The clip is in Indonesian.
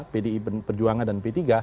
pdi perjuangan dan p tiga